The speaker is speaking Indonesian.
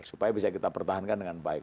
supaya bisa kita pertahankan dengan baik